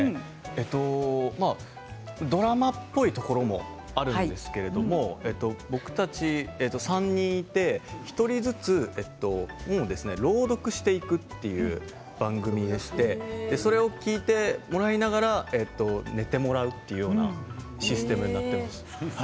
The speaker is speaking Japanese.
ドラマっぽいところもあるんですけれども３人いて１人ずつ朗読していくという番組でしてそれを聞いてもらいながら寝てもらうというようなシステムになっています。